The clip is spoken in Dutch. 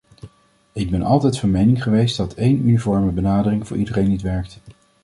Ik ben altijd van mening geweest dat één uniforme benadering voor iedereen niet werkt.